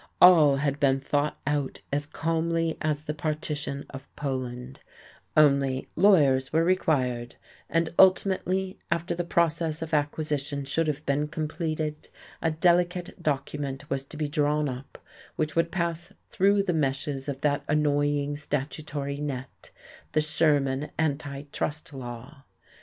All had been thought out as calmly as the partition of Poland only, lawyers were required; and ultimately, after the process of acquisition should have been completed, a delicate document was to be drawn up which would pass through the meshes of that annoying statutory net, the Sherman Anti trust Law.